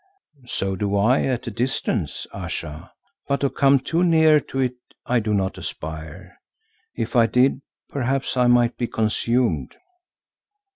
"So do I at a distance, Ayesha, but to come too near to it I do not aspire. If I did perhaps I might be consumed."